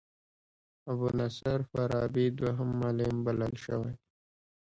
ابو نصر فارابي دوهم معلم بلل شوی.